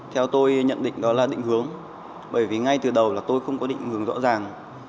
theo tôi nhận định đó là định hướng bởi vì ngay từ đầu là tôi không có định hướng rõ ràng